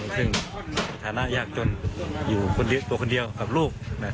ซึ่งฐานะยากจนอยู่ตัวคนเดียวกับรูป